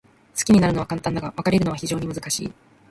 好きになるのは簡単だが、別れるのは非常に難しい。